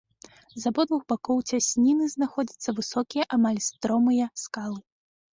З абодвух бакоў цясніны знаходзяцца высокія, амаль стромыя, скалы.